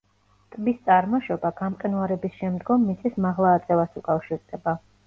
ტბის წარმოშობა გამყინვარების შემდგომ მიწის მაღლა აწევას უკავშირდება.